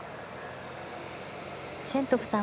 シェントゥフさん